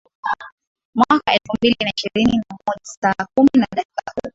mwaka elfu mbili na ishirini na moja saa kumi na dakika kumi